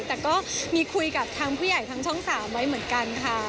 แต่ก็มีคุยกับทางผู้ใหญ่ทางช่อง๓ไว้เหมือนกันค่ะ